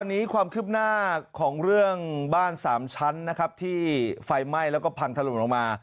วันนี้ความคืบหน้าของเรื่องบ้านสามชั้นนะครับที่ไฟไหม้แล้วก็พังถล่มลงมา